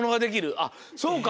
あっそうか。